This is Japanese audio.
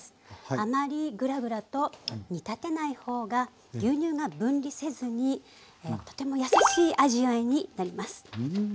あまりぐらぐらと煮立てない方が牛乳が分離せずにとても優しい味わいになります。